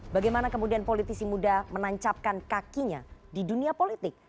bagaimana kemudian politisi muda menancapkan kakinya di dunia politik